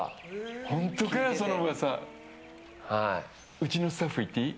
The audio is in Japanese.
うちのスタッフ、行っていい？